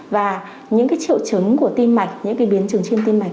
và những triệu chứng của tim mạch những biến trường trên tim mạch